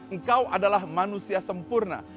engkau adalah manusia sempurna